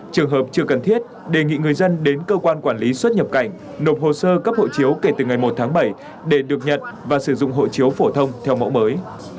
trường hợp chưa cần thiết đề nghị người dân đến cơ quan quản lý xuất nhập cảnh nộp hồ sơ cấp hộ chiếu kể từ ngày một tháng bảy để được nhận và sử dụng hộ chiếu phổ thông theo mẫu mới